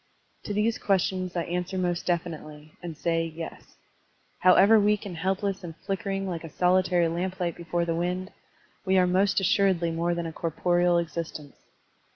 To these questions I answer most definitely, and say "yes/* How ever weak and helpless and flickering like a Digitized by Google A MEMORIAL ADDRESS 209 solitary lamplight before the wind, we are most assuredly more than a corporeal existence.